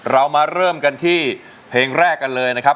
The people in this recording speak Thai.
เรามาเริ่มกันที่เพลงแรกกันเลยนะครับ